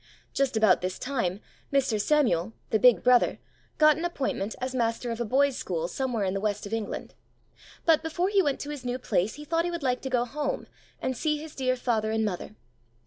Just about this time, Mr. Samuel the big brother got an appointment as master of a boys' school somewhere in the West of England; but before he went to his new place he thought he would like to go home, and see his dear father and mother.